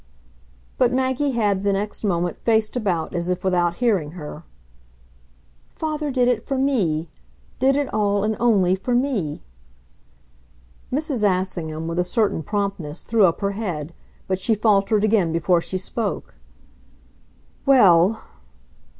But Maggie had, the next moment faced about as if without hearing her. "Father did it for ME did it all and only for me." Mrs. Assingham, with a certain promptness, threw up her head; but she faltered again before she spoke. "Well